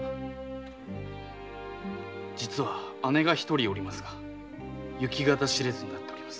実は姉が一人おりますが行方知れずとなっております。